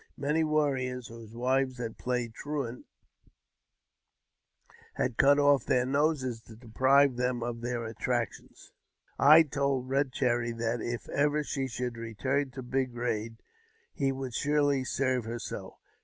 Many warriors, whose wives had playe^ truant, had cut off their noses to deprive them of their attrac tions. I told Eed Cherry that if ever she should return Big Eain, he would surely serve her so.